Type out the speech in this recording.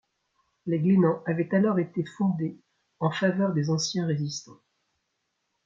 Les Glénans avaient alors été fondés en faveur des anciens résistants.